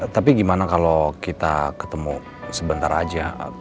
tapi gimana kalau kita ketemu sebentar aja